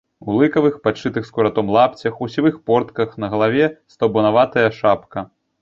У лыкавых, падшытых скуратом, лапцях, у сівых портках, на галаве стаўбунаватая шапка.